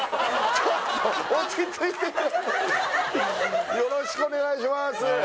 ちょっとよろしくお願いします